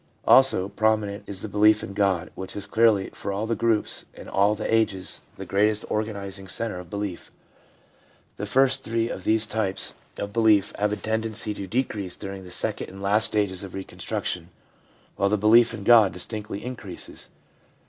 Also prominent is the belief in God, which is clearly for all the groups and all the ages the greatest organising centre of belief. The first three of these types of belief have a tendency to decrease during the second and last stages of reconstruc tion, while the belief in God distinctly increases.